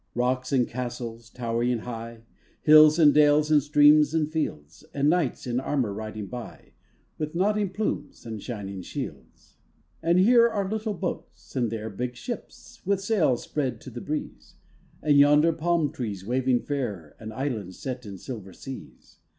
Rocks and castles towering high; Hills and dales and streams and fields, And knights in armour riding by, With nodding plumes and shining shields. And here are little boats, and there Big ships with sails spread to the breeze, And yonder, palm trees waving fair And islands set in silver seas.